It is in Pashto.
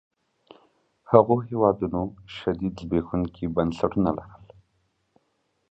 هغو هېوادونو شدید زبېښونکي بنسټونه يې لرل.